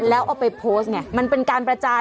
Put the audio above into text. แล้วเอาไปโพสต์ไงมันเป็นการประจาน